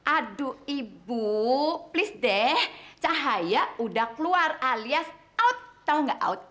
aduh ibu please deh cahaya udah keluar alias out tau gak out